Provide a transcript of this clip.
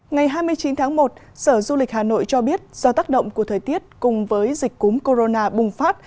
ngày hai mươi chín tháng một sở du lịch hà nội cho biết do tác động của thời tiết cùng với dịch cúm corona bùng phát